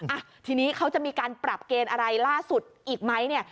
อ่ะทีนี้เขาจะมีการปรับเกณฑ์อะไรล่าสุดอีกไหมเนี่ย